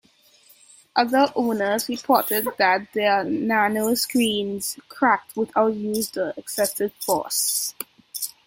Other owners reported that their Nano's screen cracked without use of excessive force.